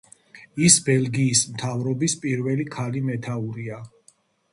ის ბელგიის მთავრობის პირველი ქალი მეთაურია.